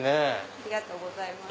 ありがとうございます。